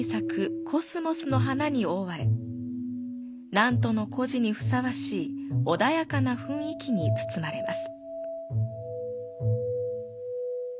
南都の古寺にふさわしい穏やかな雰囲気に包まれます。